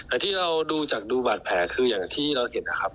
ที่เราดูจากดูบาดแผลคืออย่างที่เราเห็นนะครับ